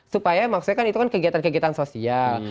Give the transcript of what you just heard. supaya maksudnya itu kan kegiatan kegiatan sosial